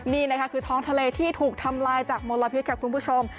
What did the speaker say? นี่นะคะคือท้องทะเลที่ถูกทำลายจากมลพิษค่ะคุณผู้ชม